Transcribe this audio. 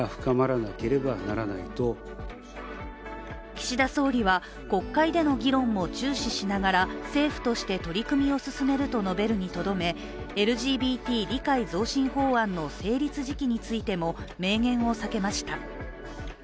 岸田総理は、国会での議論も注視しながら政府として取り組みを進めると述べるにとどめＬＧＢＴ理解増進法案の成立時期についても明言を避けました。